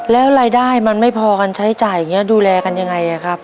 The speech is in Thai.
แล้วรายได้มันไม่พอกันใช้จ่ายอย่างนี้ดูแลกันยังไงครับ